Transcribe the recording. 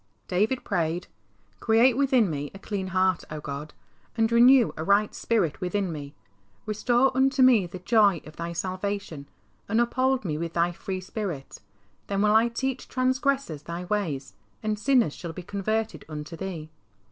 D avid prayed, ''Create within me a clean heart, O God, and renew a right spirit within me. Restore unto me the joy of Thy salvation, and uphold me with Thy free Spirit. Then will I teach trans gressors Thy ways, and sinners shall be converted unto Thee."